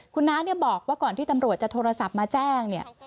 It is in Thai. คุณน้าเนี่ยบอกว่าก่อนที่ตำรวจจะโทรศัพท์มาแจ้งเนี่ย